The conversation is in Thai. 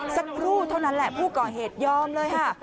สักครู่เท่านั้นแหละผู้ก่อเหตุยอมเลยค่ะ